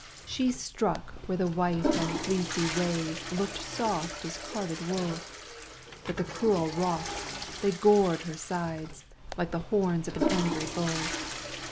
She struck where the white and fleecy waves Look'd soft as carded wool, But the cruel rocks, they gored her sides Like the horns of an angry bull.